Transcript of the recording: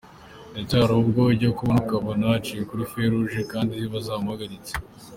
Ndetse hari ubwo ujya kubona ukabona aciye muri “feux rouge” kandi ziba zamuhagaritse.